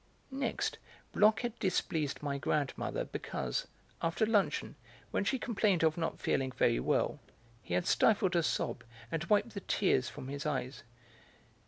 Next, Bloch had displeased my grandmother because, after luncheon, when she complained of not feeling very well, he had stifled a sob and wiped the tears from his eyes.